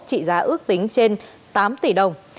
trị giá ước tính trên tám tỷ đồng